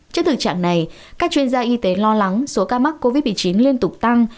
trước thực trạng này các chuyên gia y tế lo lắng số ca mắc covid một mươi chín liên tục tăng